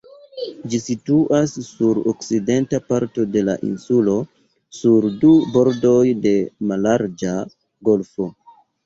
Ĝi situas sur okcidenta parto de la insulo, sur du bordoj de mallarĝa golfo.